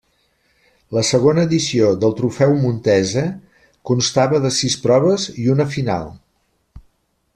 La segona edició del Trofeu Montesa constava de sis proves i una final.